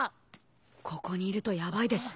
ここにいるとヤバいです。